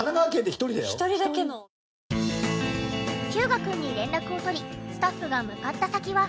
日向くんに連絡をとりスタッフが向かった先は。